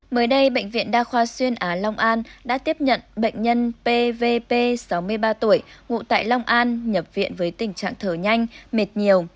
mới đây bệnh viện đa khoa xuyên á long an đã tiếp nhận bệnh nhân pvp sáu mươi ba tuổi ngụ tại long an nhập viện với tình trạng thở nhanh mệt nhiều